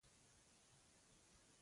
الماري د سامان تنظیم ساتي